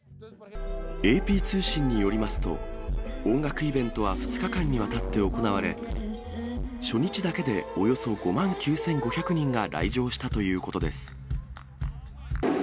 ＡＰ通信によりますと、音楽イベントは２日間にわたって行われ、初日だけでおよそ５万９５００人が来場したということです。